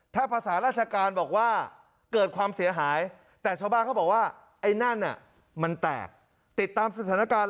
ถ้าภาษาราชการบอกว่าเกิดความเสียหายแต่ชาวบ้านเขาบอกว่าไอ้นั่นน่ะมันแตกติดตามสถานการณ์